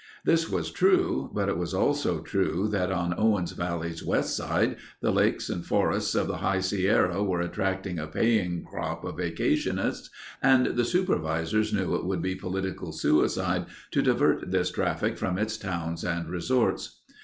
This was true but it was also true that on Owens Valley's west side the lakes and forests of the High Sierras were attracting a paying crop of vacationists and the supervisors knew it would be political suicide to divert this traffic from its towns and resorts.